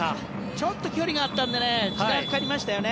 ちょっと距離があったので時間がかかりましたよね。